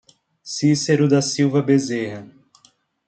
Cicero da Silva Bezerra